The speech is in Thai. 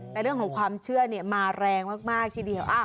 แต่เรื่องของความเชื่อมาแรงมากทีเดียว